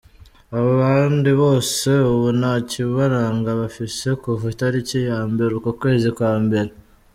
Abandi bose ubu nta kibaranga bafise kuva itariki ya mbere uku kwezi kwa mbere.